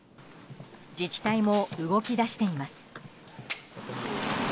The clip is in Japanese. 自治体も動き出しています。